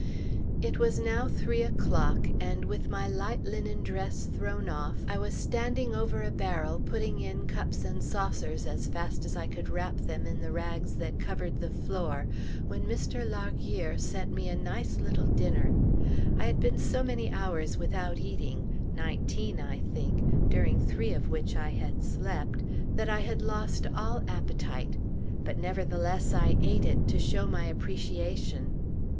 It was now three o'clock; and with my light linen dress thrown off, I was standing over a barrel putting in cups and saucers as fast as I could wrap them in the rags that covered the floor, when Mr. Larguier sent me a nice little dinner. I had been so many hours without eating nineteen, I think, during three of which I had slept that I had lost all appetite; but nevertheless I ate it, to show my appreciation.